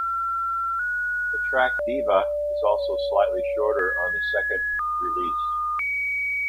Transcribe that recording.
The track "Diva" is also slightly shorter on the second release.